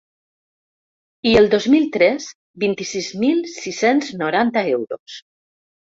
I el dos mil tres, vint-i-sis mil sis-cents noranta euros.